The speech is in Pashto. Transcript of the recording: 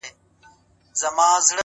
د ژوند پر هره لاره و بلا ته درېږم’